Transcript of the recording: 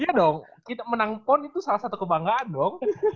iya dong menang pon itu salah satu kebanggaan dong